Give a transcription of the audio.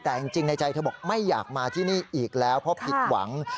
แต่จริงในใจเธอบอกไม่อยากมาที่นี่อีกแล้วเพราะผิดหวัง